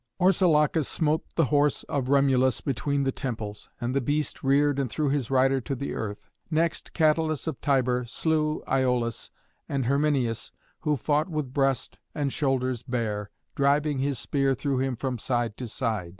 Orsilochus smote the horse of Remulus between the temples, and the beast reared and threw his rider to the earth. Next Catillus of Tibur slew Iollas, and Herminius, who fought with breast and shoulders bare, driving his spear through him from side to side.